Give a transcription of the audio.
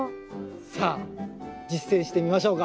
さあ実践してみましょうか。